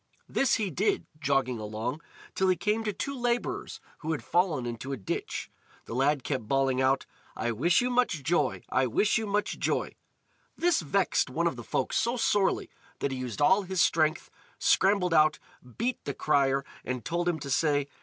This he did, jogging along, till he came to two labourers who had fallen into a ditch. The lad kept bawling out: "I wish you much joy! I wish you much joy!" This vexed one of the folk so sorely that he used all his strength, scrambled out, beat the crier, and told him to say.